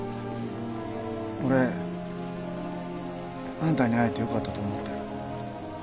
俺あんたに会えてよかったと思ってる。